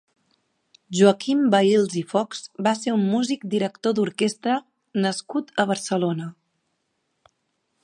Joaquim Vehils i Fochs va ser un músic, director d'orquesta nascut a Barcelona.